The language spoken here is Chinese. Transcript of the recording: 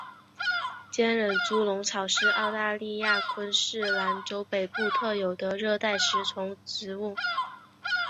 坚韧猪笼草是澳大利亚昆士兰州北部特有的热带食虫植物。